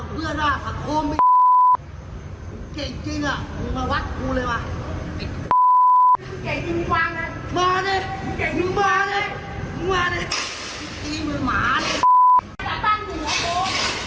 คุยกันเลยมึงอย่าแยก